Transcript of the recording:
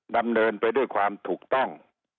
ดำเนินไปด้วยความถูกต้อง